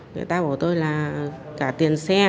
người ta bảo tôi là cả tiền xe